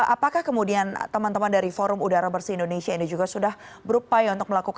apakah kemudian teman teman dari forum udara bersih indonesia ini juga sudah berupaya untuk melakukan